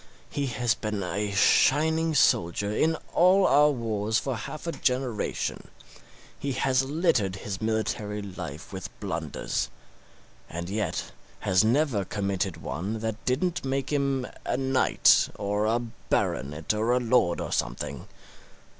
He has been a shining soldier in all our wars for half a generation; he has littered his military life with blunders, and yet has never committed one that didn't make him a knight or a baronet or a lord or something.